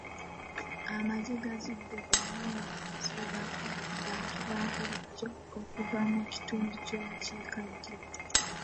Amagye gaazudde emundu eziwerako mu bantu ba bulijja okuva mu kitundu ky'obukiikaddyo.